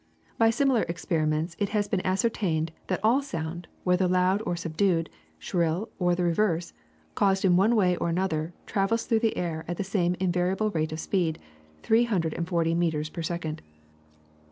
By similar experiments it has been ascertained that all sound, whether loud or subdued, shrill or the reverse, caused in one way or in another, travels through the air at the same in variable rate of speed, three hundred and forty meters per second.